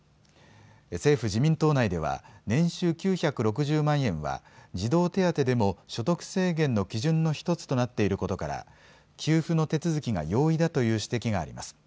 政府自民党内では年収９６０万円は児童手当でも所得制限の基準の１つとなっていることから給付の手続きが容易だという指摘があります。